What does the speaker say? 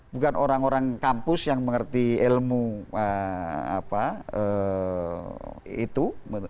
bukan orang orang kampus yang mengerti ilmu itu